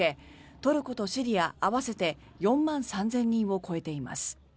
トルコとシリア合わせて４万３０００人を超えています。